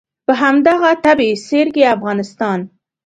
په همدغه طبعي سیر کې افغانستان.